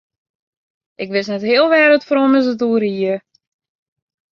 Ik wist net heal wêr't it frommes it oer hie.